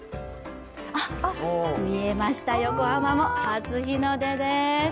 見えました、横浜も、初日の出です。